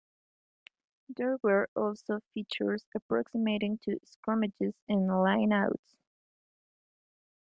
There were also features approximating to scrummages and line-outs.